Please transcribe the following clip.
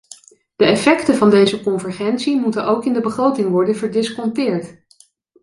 De effecten van deze convergentie moeten ook in de begroting worden verdisconteerd.